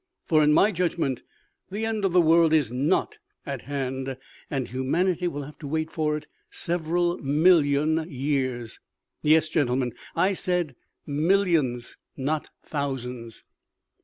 For, in my judgment, the end of the world is not at hand, and humanity will have to wait for it several million years yes, gentlemen, I said millions, not thousands.